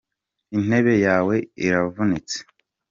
Intebe yawe iravunitse.